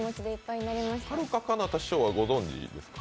はるか・かなた師匠はご存じですか？